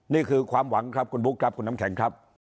นี่คือความหวังครับคุณบุ๊คครับคุณน้ำแข็งครับ